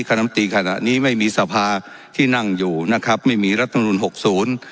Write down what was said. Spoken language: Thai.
คณะมตีขณะนี้ไม่มีสภาที่นั่งอยู่นะครับไม่มีรัฐมนุนหกศูนย์